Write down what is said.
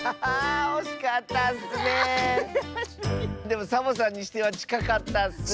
でもサボさんにしてはちかかったッス！